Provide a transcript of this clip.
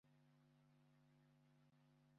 Reba, ntuhangayikishijwe nawe , Nibyo?